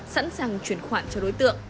sẵn sàng chuyển khoản cho đối tượng